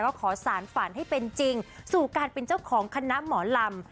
ขอสารฝันให้เป็นจริงสู่การเป็นเจ้าของคณะหมอลำ